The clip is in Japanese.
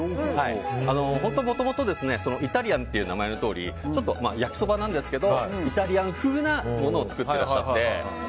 もともとはイタリアンって名前のとおり焼きそばなんですけどイタリアン風なものを作っていらっしゃって。